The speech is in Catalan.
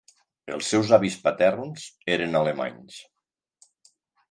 Els seus avis paterns eren alemanys.